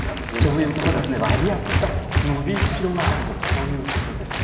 そういうことですね、割安だ、伸びしろがあるぞと、こういうことです。